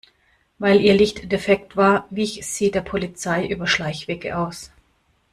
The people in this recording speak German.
Weil ihr Licht defekt war, wich sie der Polizei über Schleichwege aus.